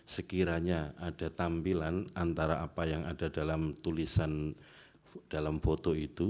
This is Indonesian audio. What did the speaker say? sekiranya ada tampilan antara apa yang ada dalam tulisan dalam foto itu